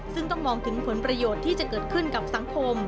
ซึ่งต้องมองถึงผลประโยชน์ที่จะเกิดขึ้นกับสังคม